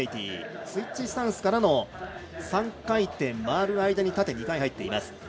スイッチスタンスからの３回転回る間に縦２回入っています。